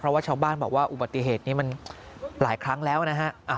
เพราะว่าชาวบ้านบอกว่าอุบัติเหตุนี้มันหลายครั้งแล้วนะฮะ